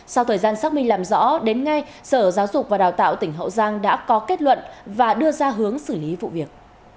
sau thời gian xác minh làm rõ đến ngay sở giáo dục và đào tạo tỉnh hậu giang đã có kết luận và đưa ra hướng xử lý vụ việc